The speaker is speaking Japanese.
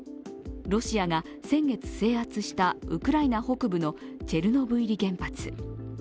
ロシアが先月制圧したウクライナ北部のチェルノブイリ原発。